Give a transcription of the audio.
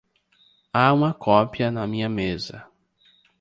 Há uma cópia na minha mesa.